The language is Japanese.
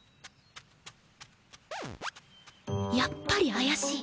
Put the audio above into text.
やっぱり怪しい。